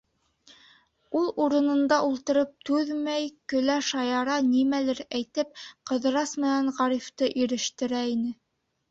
Ул урынында ултырып түҙмәй, көлә, шаяра, нимәлер әйтеп, Ҡыҙырас менән Ғарифты ирештерә ине.